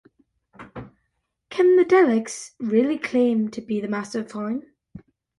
Can the Daleks really claim to be the 'Masters of Time'?